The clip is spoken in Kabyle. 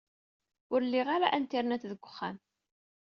Ur liɣ ara Internet deg uxxam.